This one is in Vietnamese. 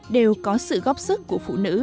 đều có sự góp sức của phụ nữ